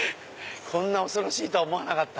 こんな恐ろしいとは思わなかった。